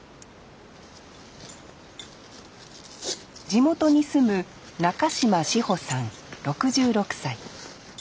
地元に住む中島志保さん６６歳。